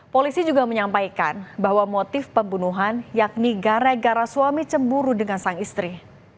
polisi juga menyampaikan bahwa motif pembunuhan yakni gara gara suami cemburu dengan sang istri